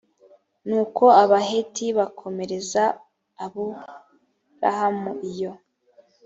nuko abaheti bakomereza aburahamu iyo